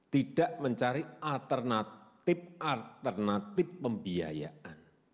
tidak mencari alternatif alternatif pembiayaan